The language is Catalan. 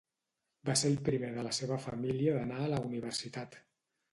Va ser el primer de la seva família d'anar a la universitat.